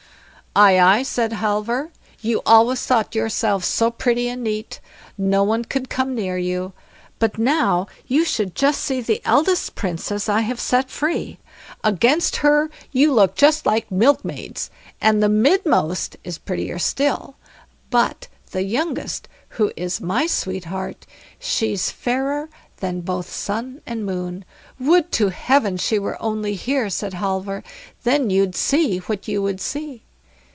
"Aye, aye", said Halvor, "you always thought yourselves so pretty and neat, no one could come near you; but now you should just see the eldest Princess I have set free; against her you look just like milkmaids, and the midmost is prettier still; but the youngest, who is my sweetheart, she's fairer than both sun and moon. Would to Heaven she were only here", said Halvor, "then you'd see what you would see."